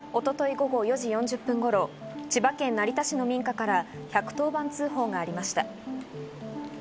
一昨日午後４時４０分頃、千葉県成田市の民家から１１０番通報がありました。